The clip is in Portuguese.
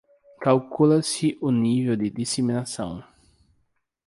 Calcula-se o nível de disseminação